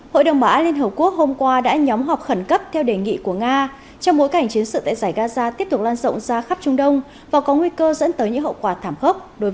hội đồng bã liên hợp quốc hôm qua đã nhóm họp khẩn cấp theo đề nghị của nga trong mỗi cảnh chiến sự tại giải gaza tiếp tục lan rộng ra khắp trung đông và có nguy cơ dẫn tới những tàu dân sự